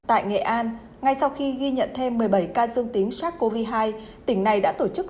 tại nghệ an ngay sau khi ghi nhận thêm một mươi bảy ca dương tính sars cov hai tỉnh này đã tổ chức